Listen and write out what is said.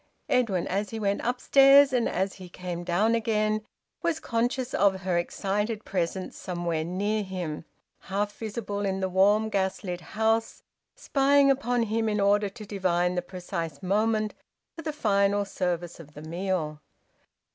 Edwin, as he went upstairs and as he came down again, was conscious of her excited presence somewhere near him, half visible in the warm gas lit house, spying upon him in order to divine the precise moment for the final service of the meal.